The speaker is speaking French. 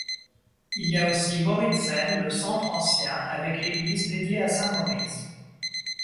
Il y a aussi Moritzen, le centre ancien avec l'église dédiée à Saint-Maurice.